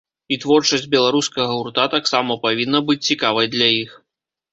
І творчасць беларускага гурта таксама павінна быць цікавай для іх.